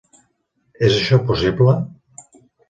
És això possible?